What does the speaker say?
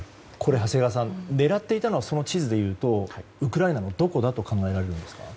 長谷川さん狙っていたのは、地図でいうとウクライナのどこだと考えられますか？